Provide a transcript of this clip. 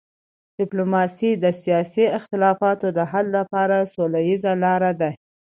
ډیپلوماسي د سیاسي اختلافاتو د حل لپاره سوله ییزه لار ده.